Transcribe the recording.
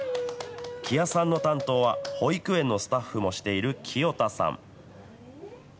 木屋さんの担当は、保育園のスタッフもしている清田さん。